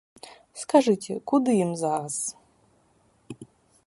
Скажыце, куды ім зараз?